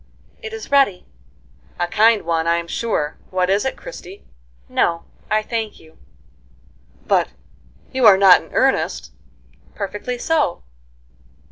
"It is ready." "A kind one, I'm sure. What is it, Christie?" "No, I thank you." "But you are not in earnest?" "Perfectly so."